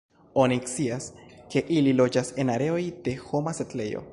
Oni scias, ke ili loĝas en areoj de homa setlejo.